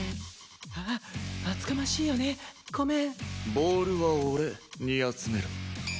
ボールは俺に集めろ。